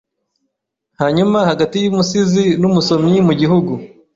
hanyuma hagati yumusizi numusomyi mugihugu